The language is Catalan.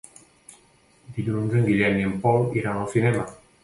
Dilluns en Guillem i en Pol iran al cinema.